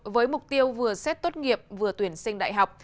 với mục tiêu vừa xét tốt nghiệp vừa tuyển sinh đại học